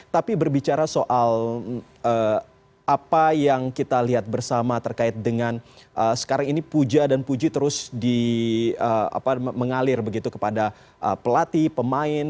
tapi berbicara soal apa yang kita lihat bersama terkait dengan sekarang ini puja dan puji terus mengalir begitu kepada pelatih pemain